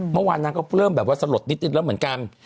เมื่อวานนางก็เริ่มแบบว่าสลดนิดแล้วเหมือนกัน